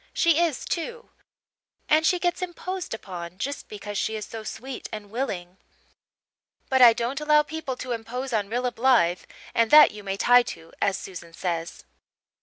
She is too. And she gets imposed upon, just because she is so sweet and willing; but I don't allow people to impose on Rilla Blythe and 'that you may tie to,' as Susan says.